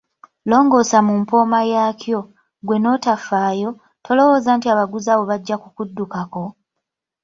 Longoosa mu mpooma yaakyo, ggwe n’otafaayo, tolowooza nti abaguzi abo bajja kukuddukako?